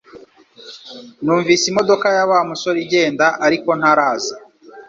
Numvise imodoka ya Wa musore igenda ariko ntaraza